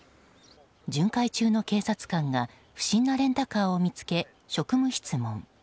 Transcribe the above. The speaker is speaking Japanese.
巡回中の警察官が不審なレンタカーを見つけ職務質問。